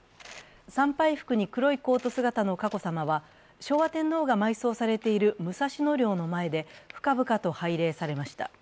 参拝服に黒いコート姿の佳子さまは昭和天皇が埋葬されている武蔵野陵の前で深々と拝礼されました。